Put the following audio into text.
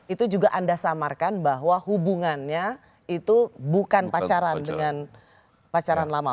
itu juga anda samarkan bahwa hubungannya itu bukan pacaran dengan pacaran lama